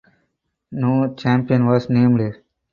No champion was named.